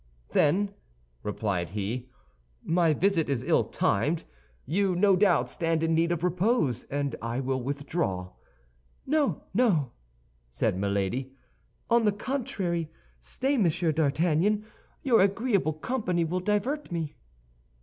"Then," replied he, "my visit is ill timed; you, no doubt, stand in need of repose, and I will withdraw." "No, no!" said Milady. "On the contrary, stay, Monsieur d'Artagnan; your agreeable company will divert me."